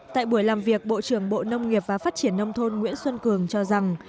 tại buổi làm việc bộ trưởng bộ nông nghiệp và phát triển nông thôn nguyễn xuân cường cho rằng